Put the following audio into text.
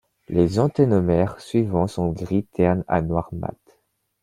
Les antennomères suivants sont gris terne à noir mat.